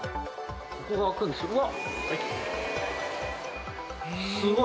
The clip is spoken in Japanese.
ここが開くんですうわっ！